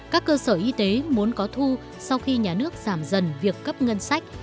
các cơ sở y tế muốn có thu sau khi nhà nước giảm dần việc cấp ngân sách